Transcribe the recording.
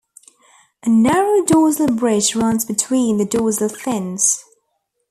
A narrow dorsal ridge runs between the dorsal fins.